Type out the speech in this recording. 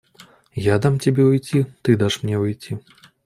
Я дам тебе уйти, ты дашь мне уйти.